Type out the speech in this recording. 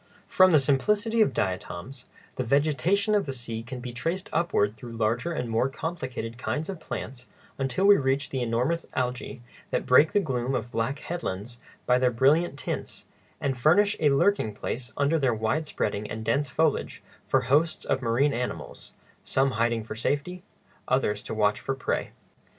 From the simplicity of diatoms the vegetation of the sea can be traced upward through larger and more complicated kinds of plants until we reach the enormous algæ that break the gloom of black headlands by their brilliant tints, and furnish a lurking place under their wide spreading and dense foliage for hosts of marine animals—some hiding for safety, others to watch for prey.